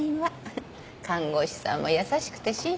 看護師さんも優しくて親切だし。